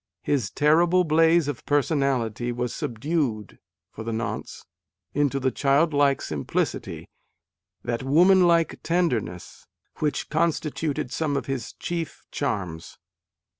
His * terrible blaze of personality " was subdued for the nonce into that child like simplicity, that woman like tenderness, which constituted some of his chief charms.